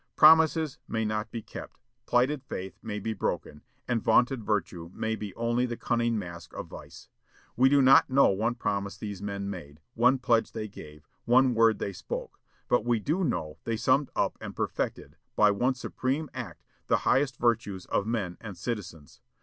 Promises may not be kept; plighted faith may be broken; and vaunted virtue may be only the cunning mask of vice. We do not know one promise these men made, one pledge they gave, one word they spoke; but we do know they summed up and perfected, by one supreme act, the highest virtues of men and citizens.